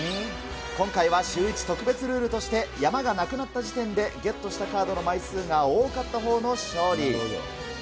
今回はシューイチ特別ルールとして、山がなくなった時点でゲットしたカードの枚数が多かったほうの勝利。